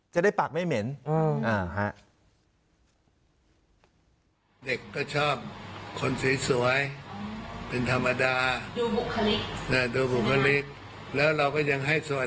จะได้ปากไม่เหม็น